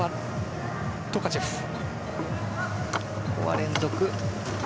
ここは連続。